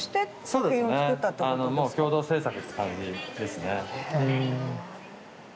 そうですねもう共同制作って感じですね。